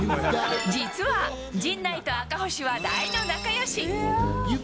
実は、陣内と赤星は大の仲よし。